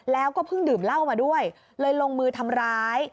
แล้วก็เพิ่งดื่มเหล้ามาด้วยเลยลงมือทำร้าย